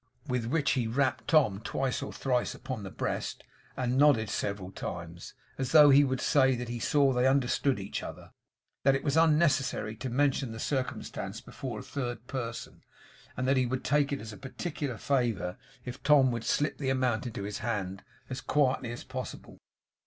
With which he rapped Tom twice or thrice upon the breast and nodded several times, as though he would say that he saw they understood each other; that it was unnecessary to mention the circumstance before a third person; and that he would take it as a particular favour if Tom would slip the amount into his hand, as quietly as possible.